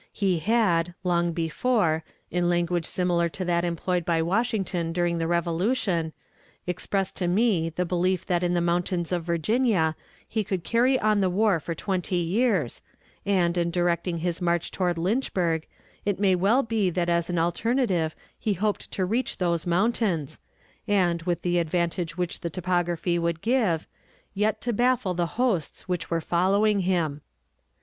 He had, long before, in language similar to that employed by Washington during the Revolution, expressed to me the belief that in the mountains of Virginia he could carry on the war for twenty years, and, in directing his march toward Lynchburg, it may well be that as an alternative he hoped to reach those mountains, and, with the advantage which the topography would give, yet to baffle the hosts which were following him.